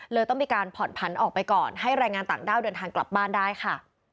ต้องมีการผ่อนผันออกไปก่อนให้แรงงานต่างด้าวเดินทางกลับบ้านได้ค่ะ